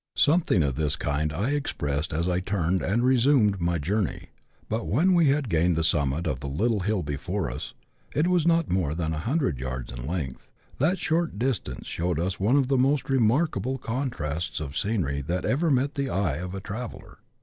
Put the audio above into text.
Something of this kind I expressed as I turned and resumed my journey. But when we had gained the summit of the little hill before us (it was not more than a hundred yards in length), that short distance showed us one of the most remarkable con trasts of scenery that ever met the eye of a traveller.